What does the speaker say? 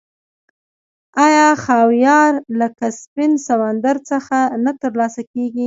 آیا خاویار له کسپین سمندر څخه نه ترلاسه کیږي؟